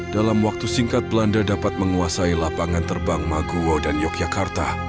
dalam waktu singkat belanda dapat menguasai lapangan terbang maguwo dan yogyakarta